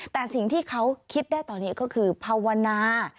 แต่สิ่งที่เขาคิดได้ตอนนี้ก็คือภาวนา